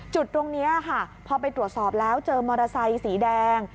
จุดตรงนี้ค่ะพอไปตรวจสอบแล้วเจอมอเตอร์ไซค์สีแดง